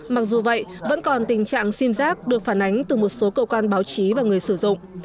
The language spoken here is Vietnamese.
mặc dù vậy vẫn còn tình trạng sim giác được phản ánh từ một số cơ quan báo chí và người sử dụng